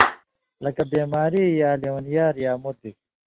لک بیماری یا لیونئیار یا مُت بِگ۔